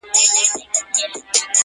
یارانو رخصتېږمه، خُمار درڅخه ځمه.!